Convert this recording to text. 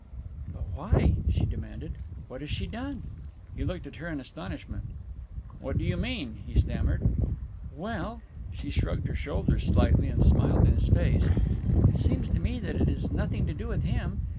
"But why?" she demanded. "What has she done?" He looked at her in astonishment. "What do you mean?" he stammered. "Well" she shrugged her shoulders slightly and smiled in his face "it seems to me that it is nothing to do with him.